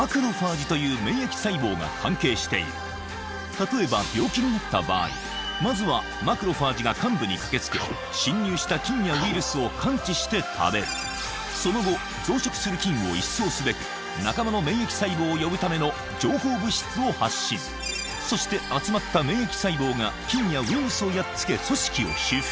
例えば病気になった場合まずはマクロファージが患部に駆け付け侵入した菌やウイルスを感知して食べるその後増殖する菌を一掃すべく仲間の免疫細胞を呼ぶための情報物質を発信そして集まった免疫細胞が菌やウイルスをやっつけ組織を修復